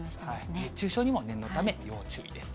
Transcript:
熱中症にも念のため要注意です。